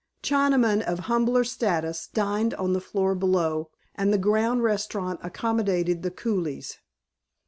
Chinamen of humbler status dined on the floor below, and the ground restaurant accommodated the coolies.